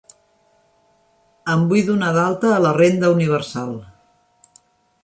Em vull donar d'alta a la renta universal.